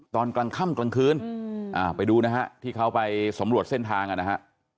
ตอนกลางค่ำกลางคืนไปดูนะฮะที่เขาไปสำรวจเส้นทางนะฮะ